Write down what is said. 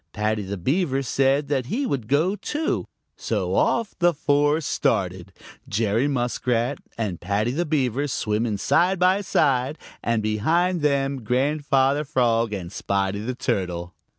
Paddy the Beaver said that he would go, too, so off the four started, Jerry Muskrat and Paddy the Beaver swimming side by side, and behind them Grandfather Frog and Spotty the Turtle.